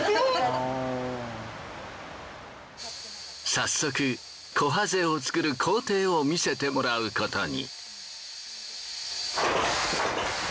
早速こはぜを作る工程を見せてもらうことに。